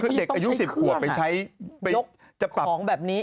เด็กอายุ๑๐ขวบไปใช้ยกของแบบนี้